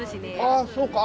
ああそうか。